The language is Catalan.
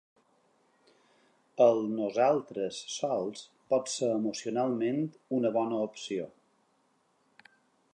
El “nosaltres sols” pot ser emocionalment una bona opció.